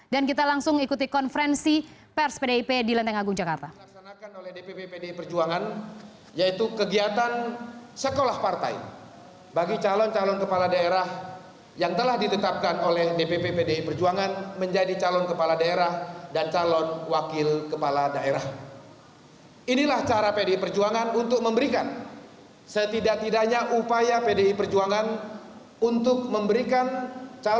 dan kita langsung ikuti konferensi pers pdip di lanteng agung jakarta